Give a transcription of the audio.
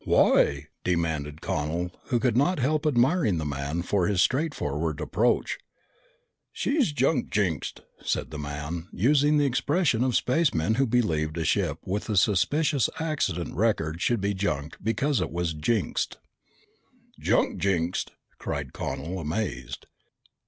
"Why?" demanded Connel, who could not help admiring the man for his straightforward approach. "She's junk jinxed," said the man, using the expression of spacemen who believed a ship with a suspicious accident record should be junked because it was jinxed. "Junk jinxed!" cried Connel, amazed.